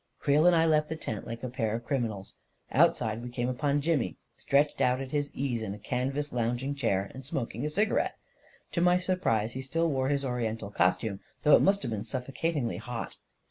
Creel and I left the tent like a pair of criminals. Outside we came upon Jimmy, stretched at his ease in a canvas lounging chair, and smoking a cigarette. To my surprise, he still wore his Oriental costume, though it must have been suffocatingly hot.